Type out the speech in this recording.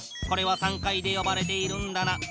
これは３階でよばれているんだな。